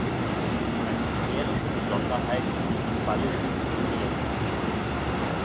Eine iberische Besonderheit sind die phallischen Menhire.